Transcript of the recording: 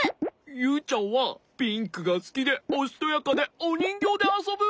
ユウちゃんはピンクがすきでおしとやかでおにんぎょうであそぶ！